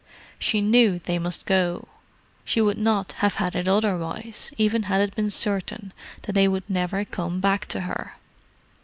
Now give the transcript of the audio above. She knew they must go: she would not have had it otherwise, even had it been certain that they would never come back to her.